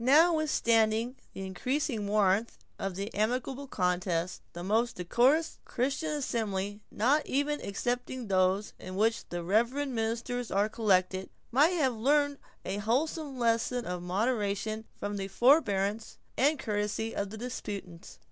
Notwithstanding the increasing warmth of the amicable contest, the most decorous Christian assembly, not even excepting those in which its reverend ministers are collected, might have learned a wholesome lesson of moderation from the forbearance and courtesy of the disputants.